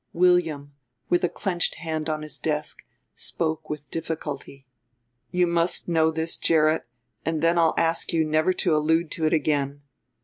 William, with a clenched hand on his desk, spoke with difficulty: "You must know this, Gerrit; and then I'll ask you never to allude to it again.